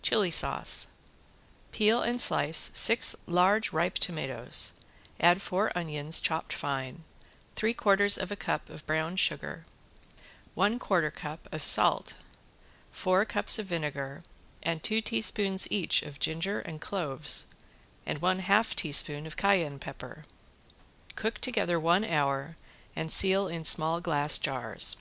~CHILI SAUCE~ Peel and slice six large ripe tomatoes, add four onions chopped fine, three quarters of a cup of brown sugar, one quarter cup of salt, four cups of vinegar and two teaspoons each of ginger and cloves and one half teaspoon of cayenne pepper. Cook together one hour and seal in small glass jars.